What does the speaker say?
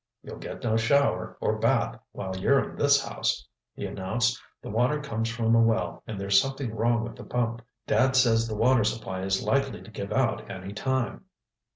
"You'll get no shower, or bath while you're in this house," he announced. "The water comes from a well and there's something wrong with the pump. Dad says the water supply is likely to give out any time."